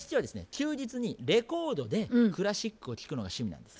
休日にレコードでクラシックを聴くのが趣味なんです。